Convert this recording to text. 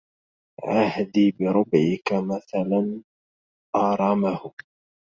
عهدي بربعك مثلا آرامه